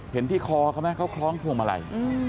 ที่คอเขาไหมเขาคล้องพวงมาลัย